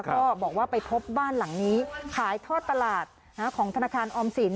ก็บอกว่าไปพบบ้านหลังนี้ขายทอดตลาดของธนาคารออมสิน